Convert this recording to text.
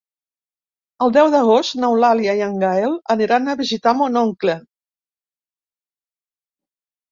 El deu d'agost n'Eulàlia i en Gaël aniran a visitar mon oncle.